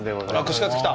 串カツ来た。